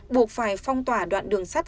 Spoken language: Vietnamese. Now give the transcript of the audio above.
buộc phải phong tỏa đoạn đường sắt